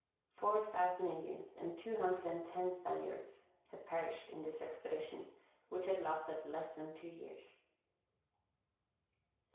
Four thousand Indians and two hundred and ten Spaniards had perished in this expedition, which had lasted less than two years.